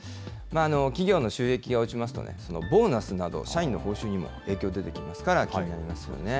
企業の収益が落ちますとね、ボーナスなど社員の報酬にも影響出てきますから、気になりますよね。